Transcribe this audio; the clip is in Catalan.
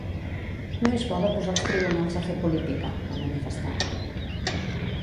No és bo de posar els tribunals a fer política, ha manifestat.